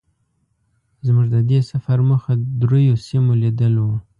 زمونږ د دې سفر موخه درېيو سیمو لیدل وو.